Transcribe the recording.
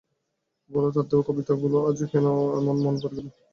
বলো, তার দেওয়া ঐ কবিতাগুলো আজই কেন তোমার এমন করে মনে পড়ে গেল।